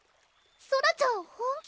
ソラちゃん本気？